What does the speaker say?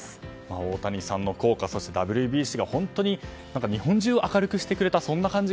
大谷さんの効果そして、ＷＢＣが本当に日本中を明るくしてくれた。